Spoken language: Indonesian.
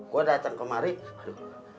gua dateng kemarin aduh